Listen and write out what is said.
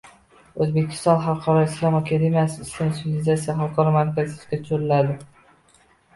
O‘zbekiston xalqaro islom akademiyasi, Islom sivilizatsiyasi xalqaro markazi ishga tushiriladi.